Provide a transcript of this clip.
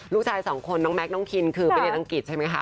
ลูกชายสองคนน้องแม็กน้องคินคือไปเรียนอังกฤษใช่ไหมคะ